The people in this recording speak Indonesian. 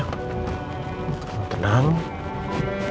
udah kamu tenang ya